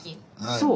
そう。